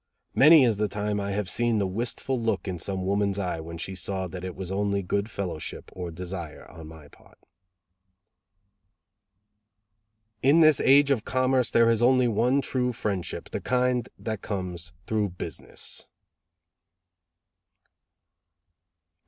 Many is the time I have seen the wistful look in some woman's eye when she saw that it was only good fellowship or desire on my part." "In this age of commerce there is only one true friendship, the kind that comes through business."